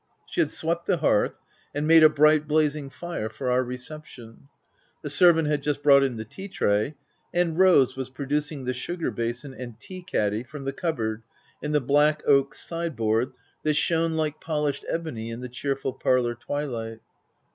She had swept the hearth, and made a bright blazing fire for our reception; the ser vant had just brought in the tea tray ; and Rose was producing the sugar basin and tea caddy, from the cupboard in the black, oak sideboard, that shone like polished ebony, in the cheerful parlour twilight.